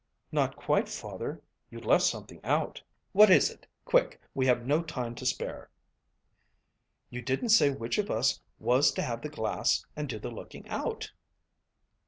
"Not quite, father. You left something out." "What is it? Quick; we have no time to spare." "You didn't say which of us was to have the glass and do the looking out."